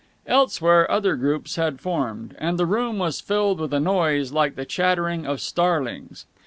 Elsewhere other groups had formed, and the room was filled with a noise like the chattering of starlings.